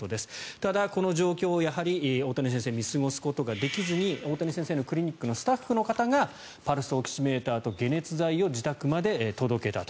ただ、この状況を大谷先生は見過ごすことができずに大谷先生のクリニックのスタッフの方がパルスオキシメーターと解熱剤を自宅まで届けたと。